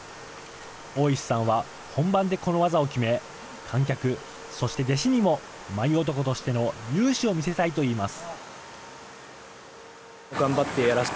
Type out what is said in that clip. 大石さんは本番でこの技を決め、観客、そして弟子にも舞男としての雄姿を見せたいといいます。